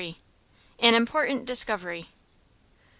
An Important Discovery.